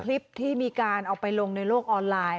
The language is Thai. คลิปที่มีการเอาไปลงในโลกออนไลน์